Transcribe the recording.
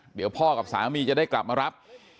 เดี๋ยวพ่อกับสามีจะได้กลับมารับ